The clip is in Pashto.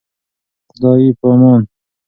خداي پامان.